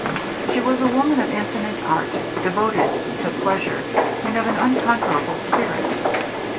She was a woman of infinite art, devoted to pleasure, and of an unconquerable spirit.